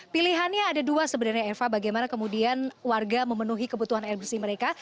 pilihannya ada dua sebenarnya eva bagaimana kemudian warga memenuhi kebutuhan air bersih mereka